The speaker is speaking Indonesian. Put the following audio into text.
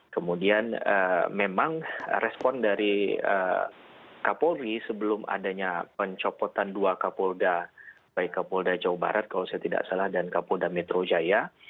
kemudian memang respon dari kapolri sebelum adanya pencopotan dua kapolda baik kapolda jawa barat kalau saya tidak salah dan kapolda metro jaya